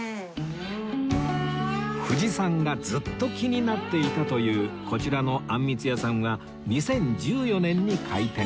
藤さんがずっと気になっていたというこちらのあんみつ屋さんは２０１４年に開店